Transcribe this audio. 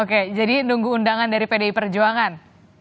oke jadi nunggu undangan dari pdi perjuangan